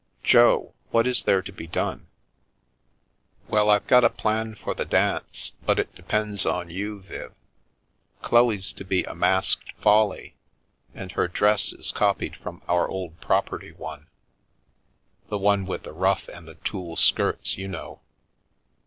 Jo, what is there to be done ?"" Well, I've got a plan for the dance, but it depends on you, Viv. Chloe's to be a masked Folly, and her dress is copied from our old property one — the one with the ruff and the tulle skirts, you know.